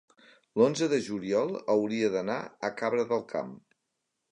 l'onze de juliol hauria d'anar a Cabra del Camp.